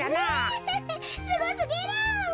すごすぎる。